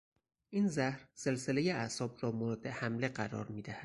این زهر سلسلهی اعصاب را مورد حمله قرار میدهد.